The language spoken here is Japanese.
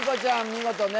見事ね